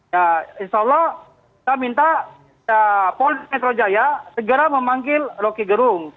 ya insya allah kita minta polda metro jaya segera memanggil rocky gerung